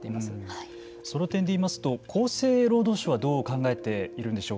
その点で言いますと厚生労働省はどう考えているかどうかでしょう。